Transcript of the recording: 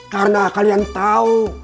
karena kalian tau